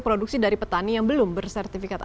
produksi dari petani yang belum bersertifikat